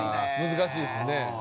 難しいですね。